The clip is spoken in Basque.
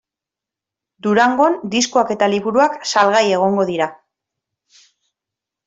Durangon diskoak eta liburuak salgai egongo dira.